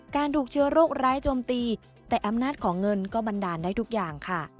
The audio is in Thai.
ถูกเชื้อโรคร้ายโจมตีแต่อำนาจของเงินก็บันดาลได้ทุกอย่างค่ะ